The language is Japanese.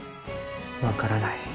分からない。